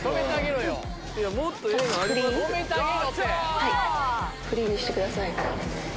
・はいフリーにしてください